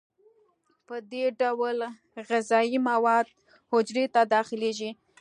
په دې ډول غذایي مواد حجرې ته داخلیږي.